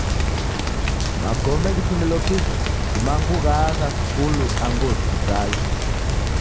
Magome ghitumilo kisha kumangu ghaagha skulu angu hospitali.